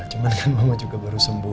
cuman kan mama juga baru sembuh